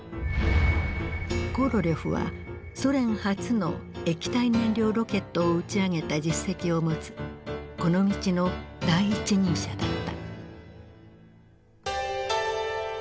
コロリョフはソ連初の液体燃料ロケットを打ち上げた実績を持つこの道の第一人者だった。